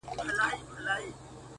په هغه ورځ خدای ته هيڅ سجده نه ده کړې؛